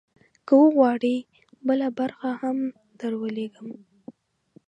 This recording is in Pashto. که وغواړې، بله برخه هم درولیږم.